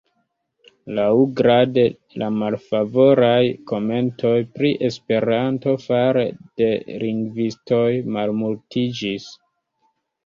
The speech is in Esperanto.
Laŭgrade la malfavoraj komentoj pri Esperanto fare de lingvistoj malmultiĝis.